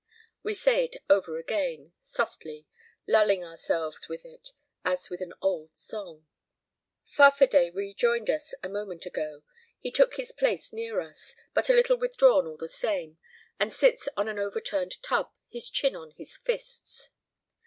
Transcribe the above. We say it over again, softly, lulling ourselves with it as with an old song. Farfadet rejoined us a moment ago. He took his place near us, but a little withdrawn all the same, and sits on an overturned tub, his chin on his fists.